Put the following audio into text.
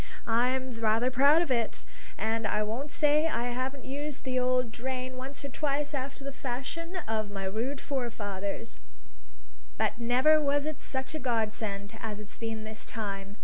I'm rather proud of it. And I won't say I haven't used the old drain once or twice after the fashion of my rude forefathers; but never was it such a godsend as it's been this time.